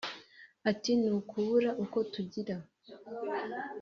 Ati ’’ Ni ukubura uko tugira